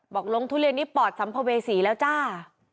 ลงทุเรียนนี้ปอดสัมภเวษีแล้วจ้า